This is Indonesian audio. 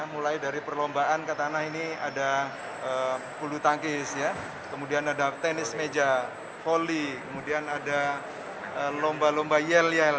mulai dari perlombaan ke tanah ini ada bulu tangkis kemudian ada tenis meja volley kemudian ada lomba lomba yel yel